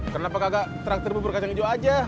kenapa kagak traktor bubur kacang hijau aja